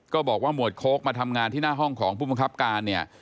บอกว่าหมวดโค้กมาทำงานที่หน้าห้องของผู้บังคับการเนี่ย